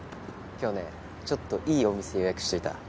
今日ねちょっといいお店予約しといた。